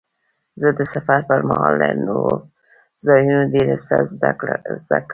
زه د سفر پر مهال له نوو ځایونو ډېر څه زده کوم.